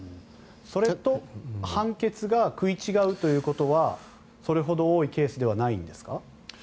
それと判決が食い違うということはそれほど多いケースではないんですか？